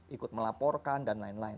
ikut melaporkan dan lain lain